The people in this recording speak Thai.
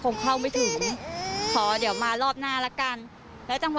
คงเข้าไม่ถึงขอเดี๋ยวมารอบหน้าละกัน